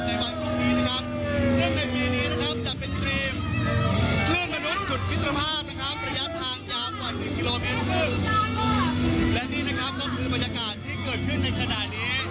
ระยะทางยาวกว่าหนึ่งกลิโลเมนต์ครึ่งและนี่นะครับก็คือบรรยากาศที่เกิดขึ้นในขณะนี้